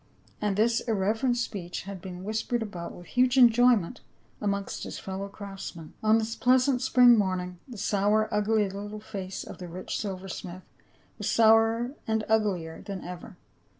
And this irreverent speech had been whispered about with huge enjoyment amongst his fellow craftsmen. On this pleasant spring morning the sour ugly little face of the rich silversmith was sourer and uglier than ever.